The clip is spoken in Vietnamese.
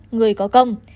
người có công